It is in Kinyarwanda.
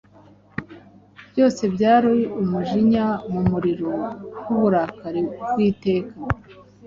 byose byari umwijima Mu muriro w'uburakari bw'iteka